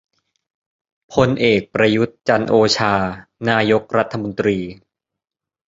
พลเอก ประยุทธ์ จันทร์โอชา นายกรัฐมนตรี